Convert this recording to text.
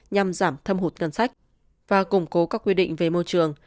nhằm giảm thâm hụt ngân sách và củng cố các quy định về môi trường